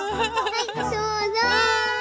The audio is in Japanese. はいどうぞ。